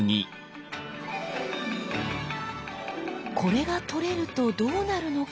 これが取れるとどうなるのか？